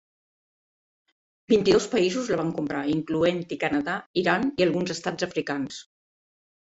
Vint-i-dos països la van comprar, incloent-hi Canadà, Iran i alguns estats africans.